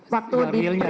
waktu di print